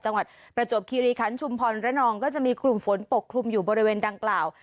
ประจวบคิริคันชุมพรระนองก็จะมีกลุ่มฝนปกคลุมอยู่บริเวณดังกล่าว